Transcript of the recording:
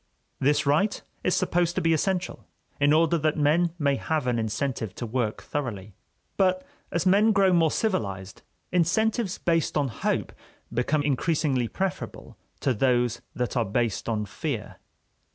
This right is supposed to be essential in order that men may have an incentive to work thoroughly. But as men grow more civilized, incentives based on hope become increasingly preferable to those that are based on fear.